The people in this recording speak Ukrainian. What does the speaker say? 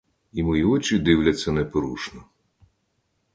І мої очі дивляться непорушно.